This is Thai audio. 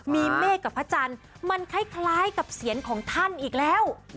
มีเมฆกับพระจันทร์มันคล้ายกับเสียงของท่านอีกแล้ว